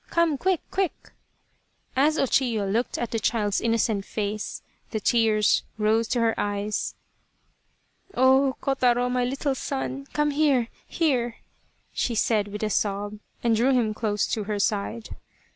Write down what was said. Come, quick, quick !" As O Chiyo looked at the child's innocent face the tears rose to her eyes. " Oh ! Kotaro, my little son, come here here," she said with a sob, and drew him close to her side.